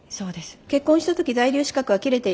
結婚した時在留資格は切れていました。